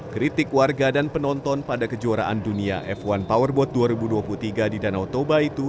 kritik warga dan penonton pada kejuaraan dunia f satu powerboat dua ribu dua puluh tiga di danau toba itu